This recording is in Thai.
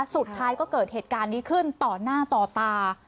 สุดท้ายก็เกิดเหตุการณ์นี้ขึ้นต่อหน้าต่อตา